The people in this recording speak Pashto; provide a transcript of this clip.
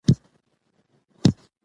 خپلو ماشومانو ته نیک اخلاق وښایاست.